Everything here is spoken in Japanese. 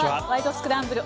スクランブル」